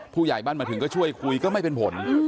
ผู้ใหญ่บ้านมาถึงก็ช่วยคุยก็ไม่เป็นผล